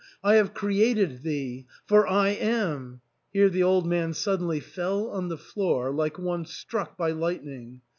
I have created thee, for I am '* Here the old man suddenly fell on the floor like one struck by lightning.